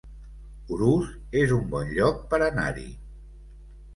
Urús es un bon lloc per anar-hi